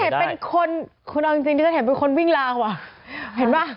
เห็นเป็นคนคุณเอาจริงที่ฉันเห็นเป็นคนวิ่งลาว่ะเห็นป่ะ